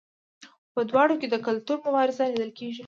خو په دواړو کې د کلتور مبارزه لیدل کیږي.